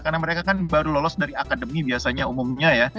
karena mereka kan baru lolos dari akademi biasanya umumnya ya